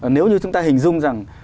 nếu như chúng ta hình dung rằng